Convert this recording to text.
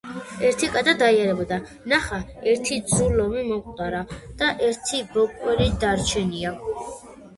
ერთი კატა დაიარებოდა. ნახა, ერთი ძუ ლომი მომკვდარა და ერთი ბოკვერი დარჩენია.